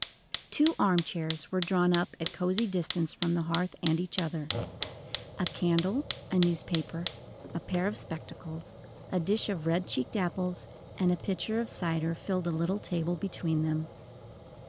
Two arm chairs were drawn up at cozy distance from the hearth and each other; a candle, a newspaper, a pair of spectacles, a dish of red cheeked apples, and a pitcher of cider, filled a little table between them.